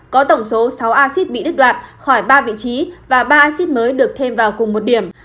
có tổng số sáu acid bị đứt đoạn khỏi ba vị trí và ba acid mới được thêm vào cùng một điểm